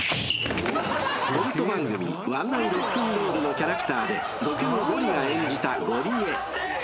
［コント番組『ワンナイＲ＆Ｒ』のキャラクターでボケのゴリが演じたゴリエ］